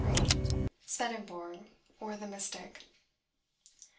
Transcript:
SWEDENBORG; OR, THE MYSTIC.